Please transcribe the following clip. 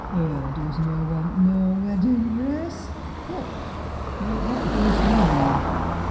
'Er doesna want no weddin dress ... What but what dost mean?